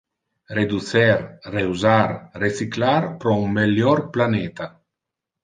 Reducer, reusar, recyclar pro un melior planeta.